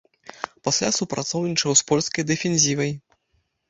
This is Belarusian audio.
Пасля супрацоўнічаў з польскай дэфензівай.